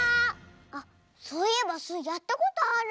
あっそういえばスイやったことある。